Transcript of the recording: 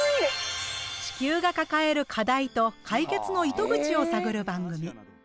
地球が抱える課題と解決の糸口を探る番組。